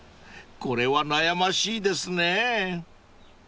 ［これは悩ましいですねぇ］